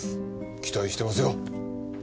期待してますよ